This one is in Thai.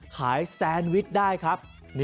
แซนวิชได้ครับ